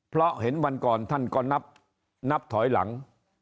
เพราะเห็นวันก่อนท่านก็นับถอยหลัง